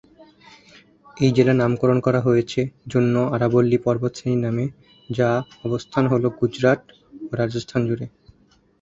এই জেলার নামকরণ করা হয়েছে জন্য আরাবল্লী পর্বতশ্রেণীর নামে যা অবস্থান হল গুজরাট ও রাজস্থান জুড়ে।